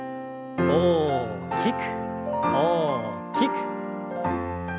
大きく大きく。